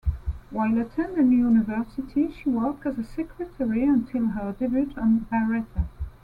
While attending university, she worked as a secretary until her debut on "Baretta".